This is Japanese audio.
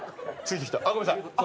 ごめんなさい。